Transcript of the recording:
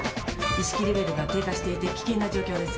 意識レベルが低下していて危険な状況です。